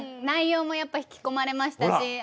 内容もやっぱ引き込まれましたし